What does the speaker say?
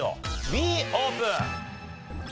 Ｂオープン。